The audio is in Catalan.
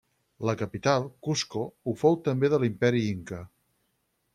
La capital, Cusco, ho fou també de l'Imperi Inca.